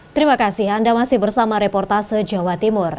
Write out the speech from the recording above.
terima kasih anda masih bersama reportase jawa timur